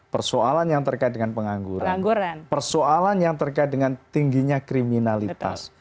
persoalan yang terkait dengan pengangguran persoalan yang terkait dengan tingginya kriminalitas